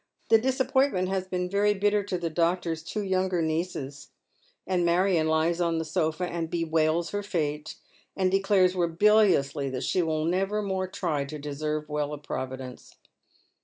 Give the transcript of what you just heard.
The disappointment has been very bitter to the doctor's two younger nieces, and Maiion lies on the sofa and bewails her fate, and declares rebelliously that she will never more try to deserve well of Providence.